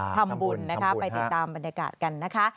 ทำบุญนะคะไปติดตามบรรยากาศกันนะคะ